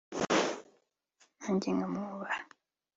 nange nkamwubaha